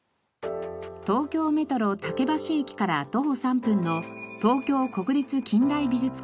東京メトロ竹橋駅から徒歩３分の東京国立近代美術館。